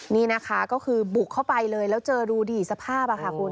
นี่นะคะก็คือบุกเข้าไปเลยแล้วเจอดูดิสภาพค่ะคุณ